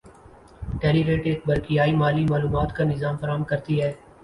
ٹیلیریٹ ایک برقیائی مالی معلومات کا نظام فراہم کرتی ہے